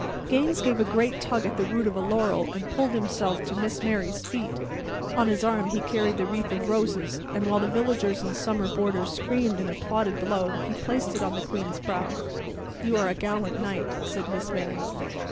Gaines gave a great tug at the root of a laurel and pulled himself to Miss Mary's feet. On his arm he carried the wreath of roses; and while the villagers and summer boarders screamed and applauded below he placed it on the queen's brow. "You are a gallant knight," said Miss Mary.